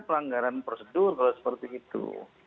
pelanggaran prosedur kalau seperti itu